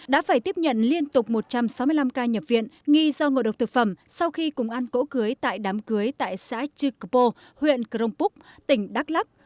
đã phải tiếp nhận liên tục một trăm sáu mươi năm ca nhập viện nghi do ngộ độc thực phẩm sau khi cùng ăn cỗ cưới tại đám cưới tại xã chư cơ pô huyện crong púc tỉnh đắk lắc